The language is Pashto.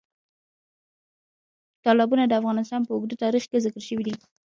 تالابونه د افغانستان په اوږده تاریخ کې ذکر شوي دي.